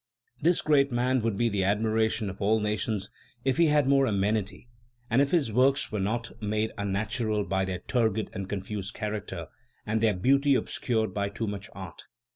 "This great man would be the admiration of all nations if he had more amenity, and if his works were not made unnatural by their turgid and confused character, and their beauty obscured by too much art.